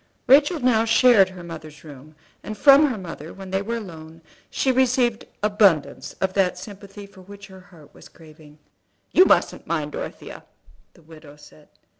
Rachel now shared her mother's room; and from her mother, when they were alone together, she received abundance of that sympathy for which her heart was craving. "You mustn't mind Dorothea," the widow said.